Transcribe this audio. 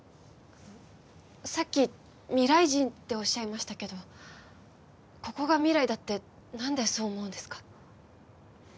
さっき未来人っておっしゃいましたけどここが未来だって何でそう思うんですか？